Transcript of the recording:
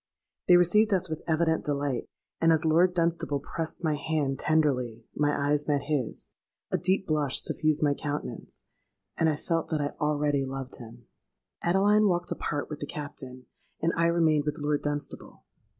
They received us with evident delight; and as Lord Dunstable pressed my hand tenderly, my eyes met his—a deep blush suffused my countenance—and I felt that I already loved him. "Adeline walked apart with the Captain: and I remained with Lord Dunstable.